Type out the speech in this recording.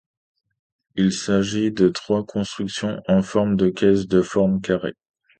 Il s'agit de trois constructions en forme de caisse de forme carrée.